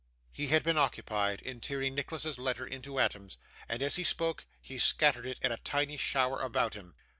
He had been occupied in tearing Nicholas's letter into atoms; and as he spoke, he scattered it in a tiny shower about him.